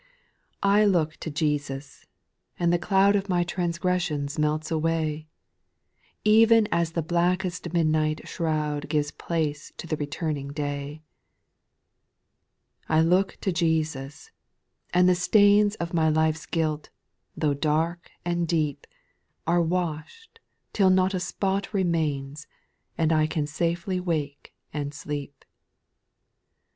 T LOOK to Jesus, and the cloud X Of my transgressions melts away, E'en as the blackest midnight shroud Gives place to the returning day, 2. I look to Jesus, and the stains Of my life's guilt, tho' dark and deep, Are wash'd, till not a spot remains, And I can safely wake and sleep.